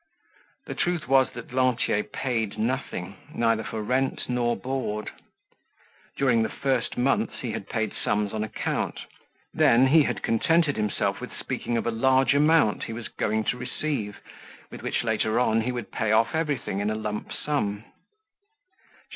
The truth was that Lantier paid nothing, neither for rent nor board. During the first months he had paid sums on account, then he had contented himself with speaking of a large amount he was going to receive, with which later on he would pay off everything in a lump sum.